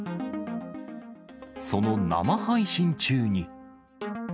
その生配信中に。